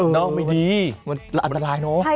น้องไม่ดีมันอันตรายเนอะ